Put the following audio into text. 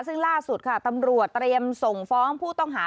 ซึ่งล่าสุดค่ะตำรวจเตรียมส่งฟ้องผู้ต้องหา